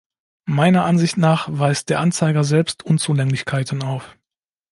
Meiner Ansicht nach weist der Anzeiger selbst Unzulänglichkeiten auf.